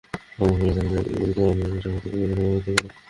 পরে পুলিশ তাকে ডাক্তারি পরীক্ষার জন্য ঢাকা মেডিকেল কলেজ হাসপাতালে ভর্তি করে।